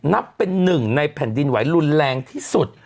นับเป็นหนึ่งในแผ่นดินไหวรุนแรงที่สุด